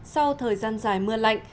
sau thời gian dài mưa lạnh